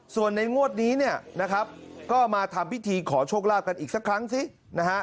ส่วนในงวดนี้เนี่ยนะครับก็มาทำพิธีขอโชคลาภกันอีกสักครั้งซินะฮะ